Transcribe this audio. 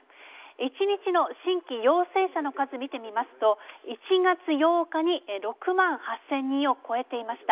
１日の新規陽性者の数、見てみますと、１月８日に６万８０００人を超えていました。